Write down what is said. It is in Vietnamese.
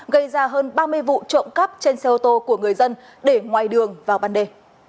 gây ra hơn ba mươi vụ trộm cắp trên xe ô tô của người dân để ngoài đường vào ban đề